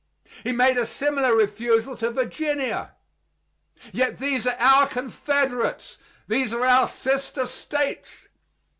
He made a similar refusal to Virginia. Yet these are our confederates; these are our sister States!